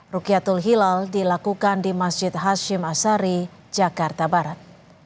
rukiatul hilal dilakukan di masjid hashim asari jakarta barat